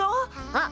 あっ